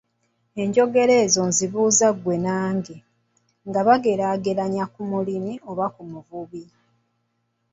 Enjogera ezo zibuuza ggwe nange, nga bageraageranya ku mulimi era n’omubumbi.